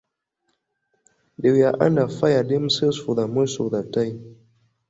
They were under fire themselves for most of the time.